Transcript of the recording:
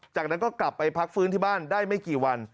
จากนั้นก็กลับไปพักฟื้นที่บ้านได้ไม่กี่วัน